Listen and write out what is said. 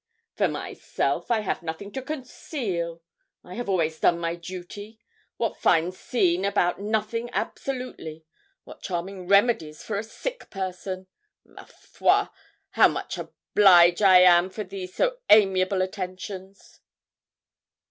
'For myself, I have nothing to conceal. I have always done my duty. What fine scene about nothing absolutely what charming remedies for a sick person! Ma foi! how much oblige I am for these so amiable attentions!'